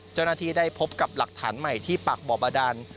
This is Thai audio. เจ้าหน้าที่ได้พบกับหลักฐานใหม่ที่ปากบ่อบาดาน